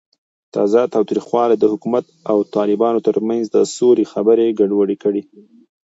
تازه تاوتریخوالی د حکومت او طالبانو ترمنځ د سولې خبرې ګډوډې کړې.